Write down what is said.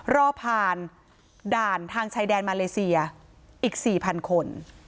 รอผ่านด่านทางชายแดนมาเลเซียอีก๔๐๐คน